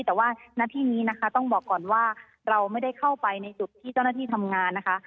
แต่ว่าณที่นี้นะคะต้องบอกก่อนว่าเราไม่ได้เข้าไปในจุดที่เจ้าหน้าที่ทำงานนะคะ